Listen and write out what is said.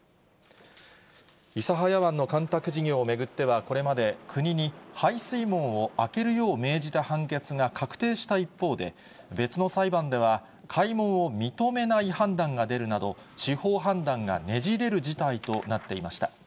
諫早湾の干拓事業を巡っては、これまで国に排水門を開けるよう命じた判決が確定した一方で、別の裁判では、開門を認めない判断が出るなど、司法判断がねじれる事態となっていました。